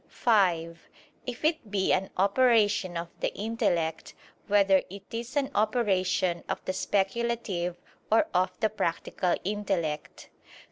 (5) If it be an operation of the intellect, whether it is an operation of the speculative or of the practical intellect?